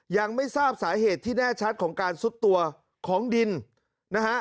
ยังไม่ทราบสาเหตุที่แน่ชัดของการซุดตัวของดินนะฮะ